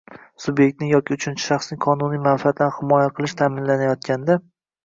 subyektning yoki uchinchi shaxsning qonuniy manfaatlarini himoya qilish ta’minlanayotganda;